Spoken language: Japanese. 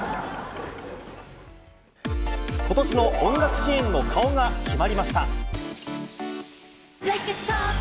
ことしの音楽シーンの顔が決まりました。